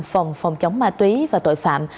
phòng phòng chống ma túy và tội phạm